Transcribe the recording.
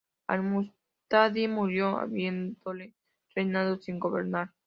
Al-Mustadí murió habiendo reinado sin gobernar.